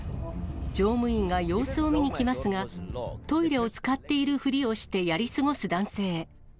乗務員が様子を見に来ますが、トイレを使っているふりをしてやり過ごす男性。